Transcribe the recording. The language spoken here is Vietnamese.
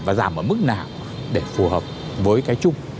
và giảm ở mức nào để phù hợp với cái chung